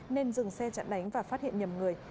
nên dừng xe chặn đánh và phát hiện nhầm người